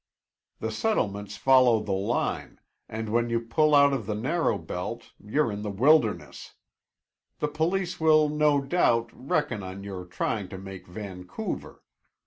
The settlements follow the line, and when you pull out of the narrow belt you're in the wilderness. The police will, no doubt, reckon on your trying to make Vancouver.